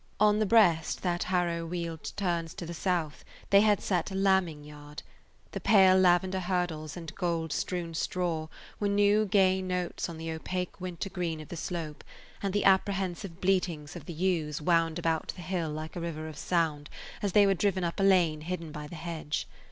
On the breast that Harrowweald turns to the south they had set a lambing yard. The pale lavender hurdles and gold strewn straw were new gay notes on the opaque winter green of the slope, and the apprehensive bleatings of the ewes wound about the hill like a river of sound as they were driven up a lane hidden by the hedge.